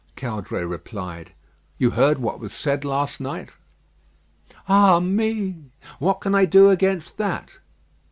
Caudray replied: "You heard what was said last night?" "Ah, me!" "What can I do against that?"